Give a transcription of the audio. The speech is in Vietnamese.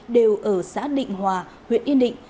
đều ở xã định hòa huyện yên định